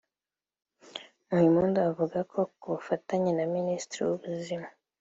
Muhimpundu avuga ko ku bufatanye na Ministeri y’Ubuzima